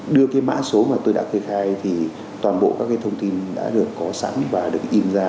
đưa cái mã số mà tôi đã kê khai thì toàn bộ các cái thông tin đã được có sẵn và được in ra